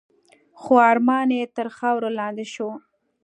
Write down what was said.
خو ارمان یې تر خاورو لاندي شو .